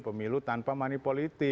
pemilu tanpa manipulasi